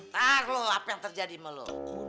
bentar loh apa yang terjadi sama lo